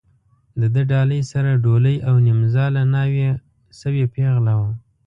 د ده ډالۍ سره ډولۍ او نیمزاله ناوې شوې پېغله وه.